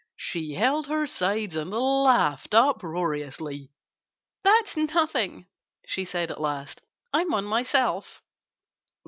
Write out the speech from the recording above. She held her sides and laughed uproariously. "That's nothing!" she said at last. "I'm one myself!"